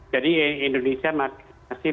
jadi indonesia masih